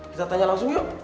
kita tanya langsung yuk